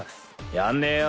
やんねえよ。